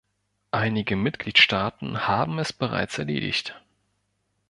Einige Mitgliedstaaten haben es bereits erledigt.